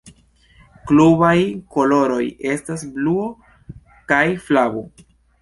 Klubaj koloroj estas bluo kaj flavo.